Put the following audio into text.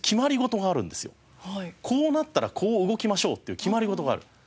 こうなったらこう動きましょうっていう決まり事がある。